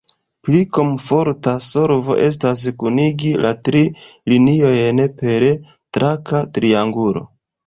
Pli komforta solvo estas kunigi la tri liniojn per traka triangulo.